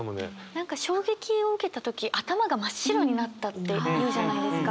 何か衝撃を受けた時「頭が真っ白になった」って言うじゃないですか。